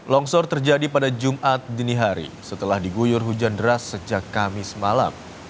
longsor terjadi pada jumat dini hari setelah diguyur hujan deras sejak kamis malam